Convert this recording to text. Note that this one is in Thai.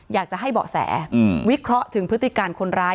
อยากจะให้เบาะแสวิเคราะห์ถึงพฤติการคนร้าย